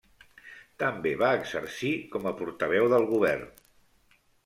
També va exercir com a portaveu del govern.